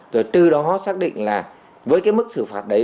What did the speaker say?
rồi từ đó xác định là với cái mức xử phạt đấy